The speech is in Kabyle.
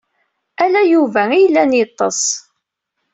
Ala Yuba i yellan yeṭṭes.